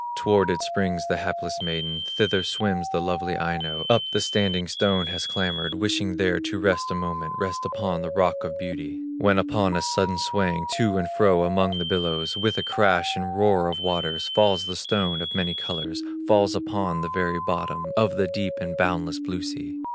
Toward it springs the hapless maiden, Thither swims the lovely Aino, Up the standing stone has clambered, Wishing there to rest a moment, Rest upon the rock of beauty; When upon a sudden swaying To and fro among the billows, With a crash and roar of waters Falls the stone of many colors, Falls upon the very bottom Of the deep and boundless blue sea.